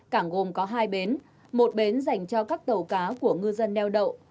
cảng gồm có hai bến một bến dành cho các tàu cá của ngư dân neo đậu